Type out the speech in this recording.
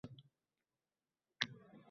Oʻqib olim boʻlmaysan, baribir